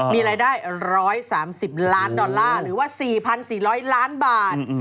มีรายได้๑๓๐ล้านดอลลาร์หรือว่า๔๔๐๐ล้านบาท